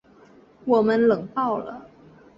我们冷爆了